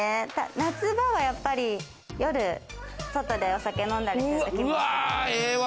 夏場はやっぱり夜外でお酒飲んだり。